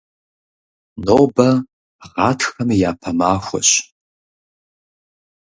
Нобэ гъатхэм и япэ махуэщ.